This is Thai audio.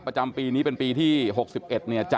ประจำปีนี้เป็นปีที่๖๑เนี่ย